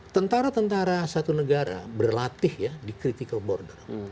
tentara tentara satu negara berlatih ya di critical border